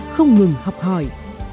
không ngừng học hỏi